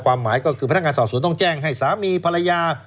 หมายก็คือพนักงานสอบสวนต้องแจ้งให้สามีภรรยา